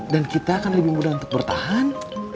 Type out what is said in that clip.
dan kita akan lebih mudah untuk bertahan